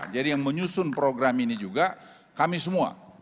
jadi yang menyusun program ini juga kami semua